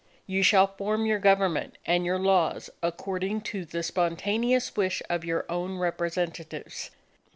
You shall form your government and your laws according to the spontaneous wish of your own representatives.